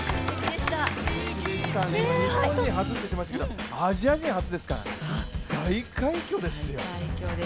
日本人初と言っていましたけれどもアジア人初ですからね、大快挙ですよ。